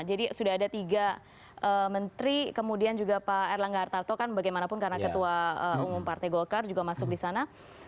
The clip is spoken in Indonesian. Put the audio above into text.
jadi sudah ada tiga menteri kemudian juga pak erlangga artarto kan bagaimanapun karena ketua umum partai gokar juga masuk di sana